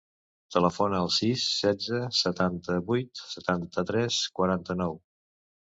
Telefona al sis, setze, setanta-vuit, setanta-tres, quaranta-nou.